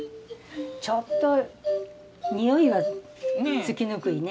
ちょっとにおいはつきにくいね。